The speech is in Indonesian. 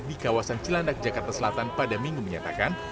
di kawasan cilandak jakarta selatan pada minggu menyatakan